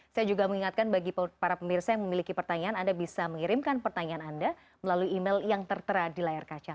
saya juga mengingatkan bagi para pemirsa yang memiliki pertanyaan anda bisa mengirimkan pertanyaan anda melalui email yang tertera di layar kaca